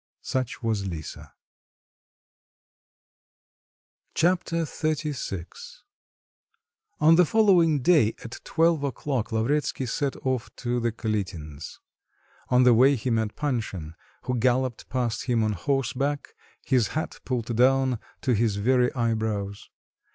Such was Lisa. Chapter XXXVI On the following day at twelve o'clock, Lavretsky set off to the Kalitins. On the way he met Panshin, who galloped past him on horseback, his hat pulled down to his very eyebrows.